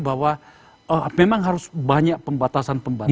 bahwa memang harus banyak pembatasan pembatasan